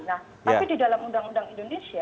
nah tapi di dalam undang undang indonesia